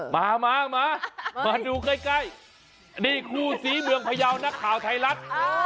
มามามาดูใกล้นี่คู่ศรีเมืองพยาวนักข่าวไทยรัฐ